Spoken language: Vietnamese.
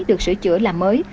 được sửa chữa làm mới